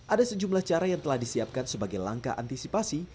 ada sejumlah cara yang telah disiapkan sebagai langkah antisipasi